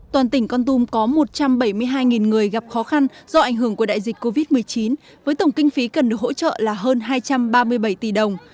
toàn tỉnh con tum có một trăm bảy mươi hai người gặp khó khăn do ảnh hưởng của đại dịch covid một mươi chín với tổng kinh phí cần được hỗ trợ là hơn hai trăm ba mươi bảy tỷ đồng